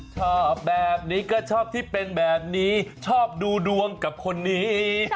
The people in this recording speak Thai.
ชอบแบบนี้ก็ชอบที่เป็นแบบนี้ชอบดูดวงกับคนนี้